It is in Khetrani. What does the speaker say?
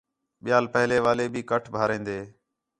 ٻِیال پہلے والے بھی کٹ بھاریندے